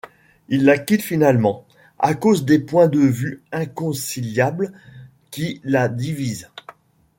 Il la quitte finalement, à cause des points de vue inconciliables qui la divise.